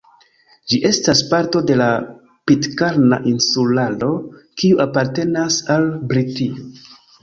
Ĝi estas parto de la Pitkarna Insularo, kiu apartenas al Britio.